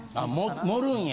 盛るんや。